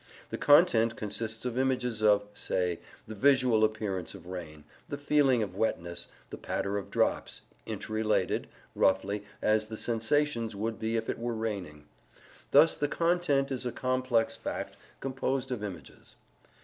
The content consists of images of (say) the visual appearance of rain, the feeling of wetness, the patter of drops, interrelated, roughly, as the sensations would be if it were raining. Thus the content is a complex fact composed of images.